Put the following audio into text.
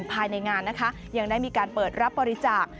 ภายในงานนะคะยังได้มีการเปิดรับบริจาค